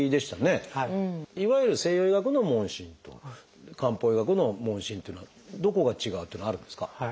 いわゆる西洋医学の問診と漢方医学の問診っていうのはどこが違うっていうのはあるんですか？